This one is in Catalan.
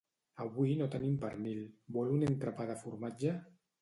Avui no tenim pernil, vol un entrepà de formatge?